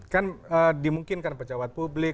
kan dimungkinkan pejabat publik